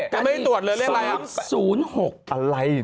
ก็ไม่ตรวจเลยเลขอะไรครับ